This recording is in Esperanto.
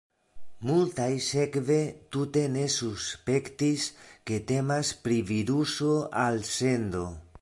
Multaj sekve tute ne suspektis, ke temas pri viruso-alsendo.